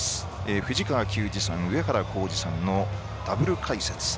藤川球児さん、上原浩治さんのダブル解説